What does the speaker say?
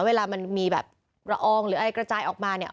เวลามันมีแบบละอองหรืออะไรกระจายออกมาเนี่ย